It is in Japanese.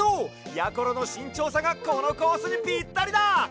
やころのしんちょうさがこのコースにピッタリだ！